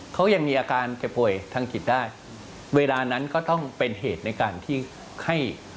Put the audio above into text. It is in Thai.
เขายังมีอาการเจ็บป่วยทางจิตได้เวลานั้นก็ต้องเป็นเหตุในการที่ให้